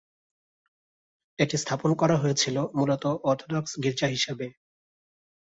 এটি স্থাপন করা হয়েছিল মূলত অর্থোডক্স গির্জা হিসেবে।